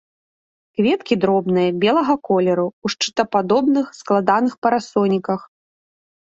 Кветкі дробныя, белага колеру, у шчытападобных складаных парасоніках.